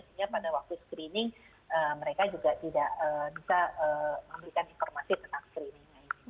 sehingga pada waktu screening mereka juga tidak bisa memberikan informasi tentang screeningnya ini